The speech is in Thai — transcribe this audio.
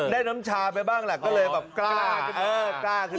ได้น้ำชาไปบ้างละก็เลยแบบกล้าขึ้นมา